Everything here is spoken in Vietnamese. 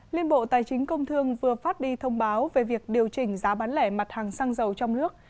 liên bộ tài chính công thương vừa phát đi thông báo về việc điều chỉnh giá bán lẻ mặt hàng xăng dầu trong nước